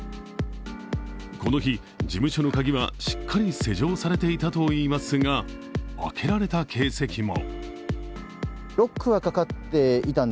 この日、事務所の鍵は、しっかり施錠されていたといいますが開けられた形跡も。